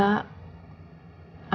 anak bapak diperkosa